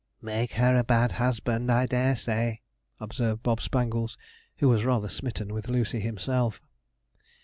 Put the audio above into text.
'Make her a bad husband, I dare say,' observed Bob Spangles, who was rather smitten with Lucy himself.